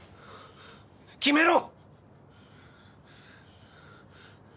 決めろ！